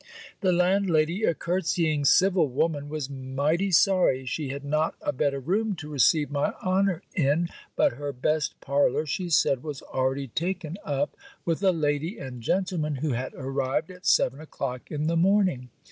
The landlady, a curtsying civil woman, was mighty sorry she had not a better room to receive my honour in; but her best parlour, she said, was already taken up with a lady and gentleman, who had arrived at seven o'clock in the morning.